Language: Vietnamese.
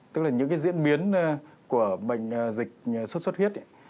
tức là những diễn biến của bệnh dịch suốt suốt huyết